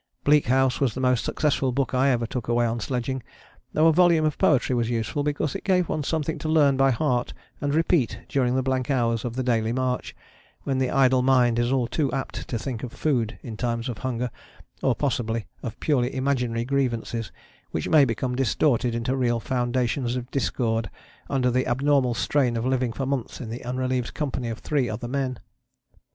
Bleak House was the most successful book I ever took away sledging, though a volume of poetry was useful, because it gave one something to learn by heart and repeat during the blank hours of the daily march, when the idle mind is all too apt to think of food in times of hunger, or possibly of purely imaginary grievances, which may become distorted into real foundations of discord under the abnormal strain of living for months in the unrelieved company of three other men.